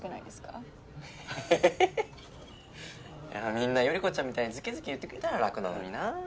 みんな頼子ちゃんみたいにずけずけ言ってくれたら楽なのにな。